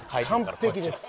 完璧です。